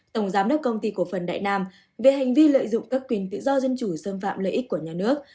tổng giám đốc công ty cổ phần đại nam về hành vi lợi dụng các quyền tự do dân chủ xâm phạm lợi ích của nhà nước